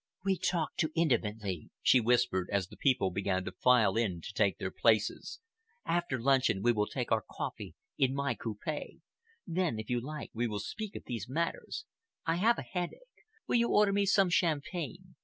"We talk too intimately," she whispered, as the people began to file in to take their places. "After luncheon we will take our coffee in my coupe. Then, if you like, we will speak of these matters. I have a headache. Will you order me some champagne?